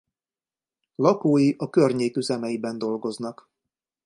Lakói a környék üzemeiben dolgoznak.